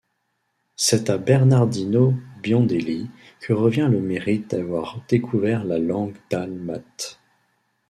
C'est à Bernardino Biondelli que revient le mérite d'avoir découvert la langue dalmate.